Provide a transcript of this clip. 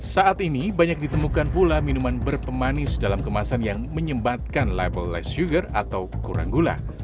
saat ini banyak ditemukan pula minuman berpemanis dalam kemasan yang menyembatkan level less sugar atau kurang gula